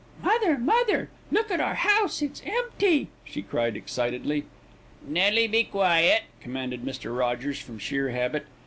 "Mother, mother, look at our house, it's empty!" she cried excitedly. "Nelly, be quiet," commanded Mr. Rogers from sheer habit.